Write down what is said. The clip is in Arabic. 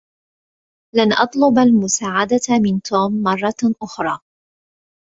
لن أطلب المساعدة من توم مرة أخرى.